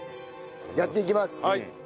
やっていきます！